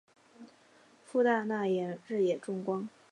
父大纳言日野重光。